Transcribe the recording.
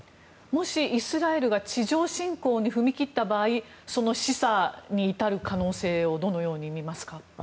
もしイスラエルが地上侵攻に踏み切った場合その示唆に至る可能性をどのように見ますか？